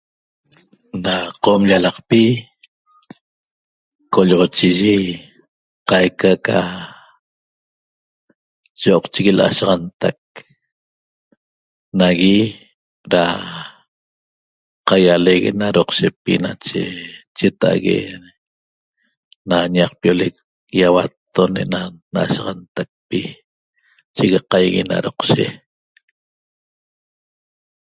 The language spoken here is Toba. Da qom llalaqpi collachiyi caica ca yoqchigue lasaxantaq nagui da cahialegue na doqshecpi nache chetague na ñaqpioleq yahuatton enan lashiaxanteqpi chicahie na doqshec